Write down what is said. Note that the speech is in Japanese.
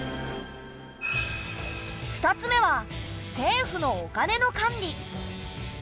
２つ目は政府のお金の管理。